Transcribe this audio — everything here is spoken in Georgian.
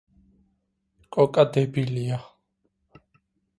კოკა დებილია